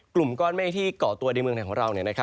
กลุ่มก้อนเมฆที่เกาะตัวในเมืองไทยของเรา